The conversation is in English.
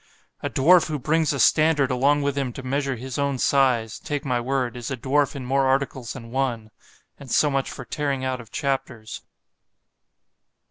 =>A dwarf who brings a standard along with him to measure his own size—take my word, is a dwarf in more articles than one.—And so much for tearing out of chapters.